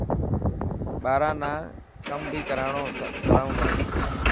ٻاران نا ڪم بهي ڪرائون ٿا.